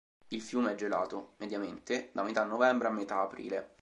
Il fiume è gelato, mediamente, da metà novembre a metà aprile.